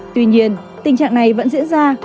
tuy nhiên tình trạng này vẫn diễn ra